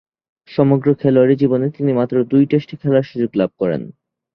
সমগ্র খেলোয়াড়ী জীবনে তিনি মাত্র দুই টেস্টে খেলার সুযোগ লাভ করেন।